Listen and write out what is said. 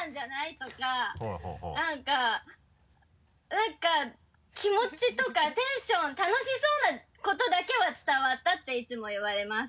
なんか気持ちとかテンション楽しそうなことだけは伝わったっていつも言われます。